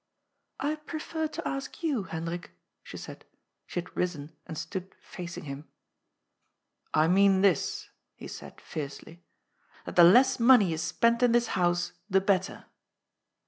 ^' I prefer to ask you, Hendrik," she said. She had risen and stood facing him. " I mean this," he said fiercely, " that the less money is spent in this house the better.